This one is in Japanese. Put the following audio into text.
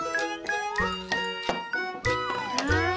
はい。